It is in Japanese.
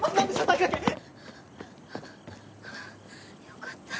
よかった。